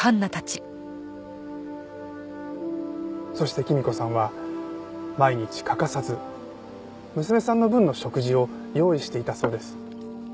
そしてきみ子さんは毎日欠かさず娘さんの分の食事を用意していたそうです。